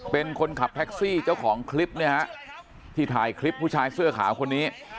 เป็นคนขับแท็กซี่เจ้าของคลิปเนี่ยฮะที่ถ่ายคลิปผู้ชายเสื้อขาวคนนี้